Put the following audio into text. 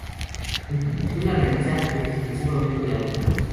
La incubación la realiza exclusivamente la hembra.